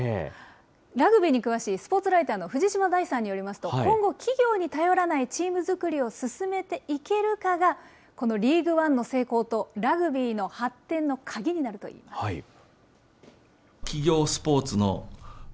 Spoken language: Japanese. ただ、ラグビーに詳しいスポーツライターの藤島大さんによりますと、今後、企業に頼らないチーム作りを進めていけるかが、このリーグワンの成功とラグビーの発展の鍵になるといいます。